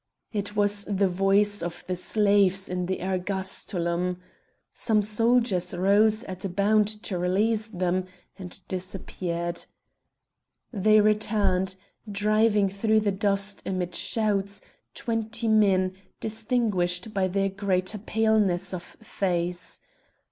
It was the voice of the slaves in the ergastulum. Some soldiers rose at a bound to release them and disappeared. They returned, driving through the dust amid shouts, twenty men, distinguished by their greater paleness of face.